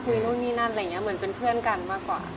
นู่นนี่นั่นอะไรอย่างนี้เหมือนเป็นเพื่อนกันมากกว่า